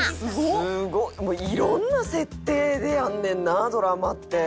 いろんな設定であんねんなドラマって。